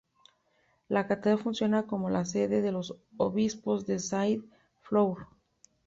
La catedral funciona como la sede de los obispos de Saint-Flour.